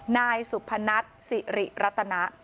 นายสุพนัทสิริรัตนะ